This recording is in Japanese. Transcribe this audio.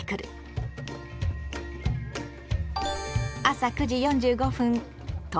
朝９時４５分到着。